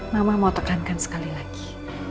mama mau tekankan sekali lagi